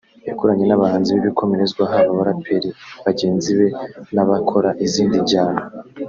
yakoranye n’abahanzi b’ibikomerezwa haba abaraperi bagenzi be n’abakora izindi njyana